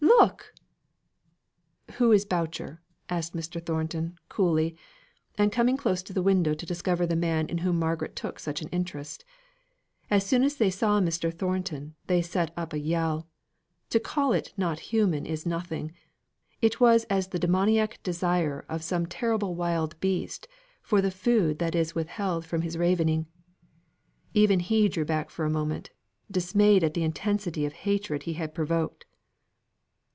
look!" "Who is Boucher?" asked Mr. Thornton coolly, and coming close to the window to discover the man in whom Margaret took such an interest. As soon as they saw Mr. Thornton, they set up a yell, to call it not human is nothing, it was as the demoniac desire of some terrible wild beast for the food that is withheld from his ravening. Even he drew back for a moment, dismayed at the intensity of hatred he had provoked.